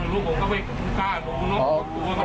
ลูกผมก็ไม่กลัวลูกน้องก็ไม่กลัว